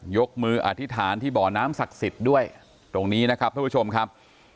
ยกมืออธิษฐานที่บ่อน้ำศักดิ์สิทธิ์ด้วยตรงนี้นะครับท่านผู้ชมครับ